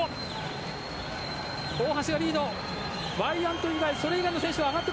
大橋がリード。